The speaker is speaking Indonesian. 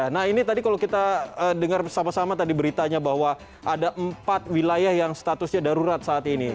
nah ini tadi kalau kita dengar sama sama tadi beritanya bahwa ada empat wilayah yang statusnya darurat saat ini